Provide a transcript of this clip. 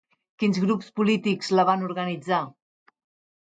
Quins grups polítics la van organitzar?